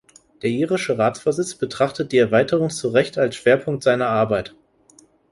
Der irische Ratsvorsitz betrachtet die Erweiterung zu Recht als Schwerpunkt seiner Arbeit.